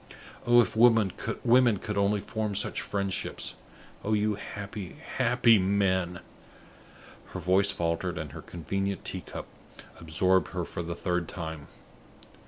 Oh, if women could only form such friendships! Oh you happy, happy men!" Her voice faltered, and her convenient tea cup absorbed her for the third time.